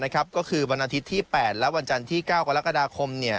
ก็คือวันอาทิตย์ที่๘และวันจันทร์ที่๙กรกฎาคม